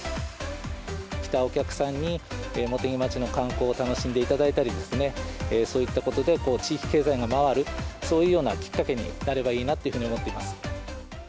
来たお客さんに、茂手木町の観光を楽しんでいただいたりですね、そういったことで地域経済が回る、そういうようなきっかけになればいいなというふうに思ってます。